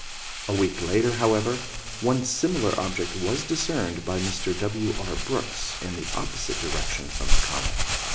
A week later, however, one similar object was discerned by Mr. W. R. Brooks, in the opposite direction from the comet.